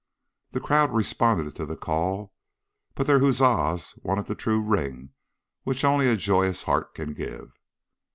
The crowd responded to the call, but their huzzas wanted the true ring which only a joyous heart can give.